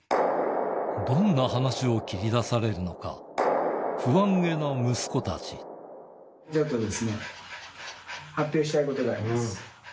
どんな話を切り出されるのか、ちょっとですね、発表したいことがあります。